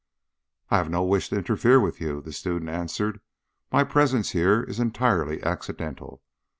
"I have no wish to interfere with you," the student answered. "My presence here is entirely accidental.